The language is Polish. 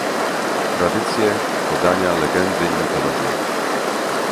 Tradycje, podania, legendy i mitologie.